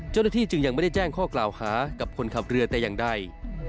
เจ้าหน้าที่จึงยังไม่ได้แจ้งข้อกล่าวหากับคนขับเรือแต่อย่างใด